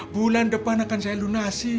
bulan depan akan saya lunasi